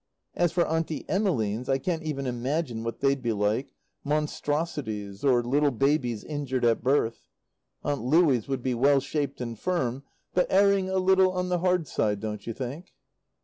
As for Auntie Emmeline's, I can't even imagine what they'd be like monstrosities or little babies injured at birth. Aunt Louie's would be well shaped and firm, but erring a little on the hard side, don't you think?